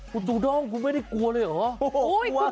หุ้ยชุด่องคุณไม่ได้กลัวเลยหรือ